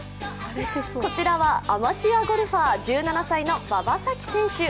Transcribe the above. こちらはアマチュアゴルファー１７歳の馬場咲希選手。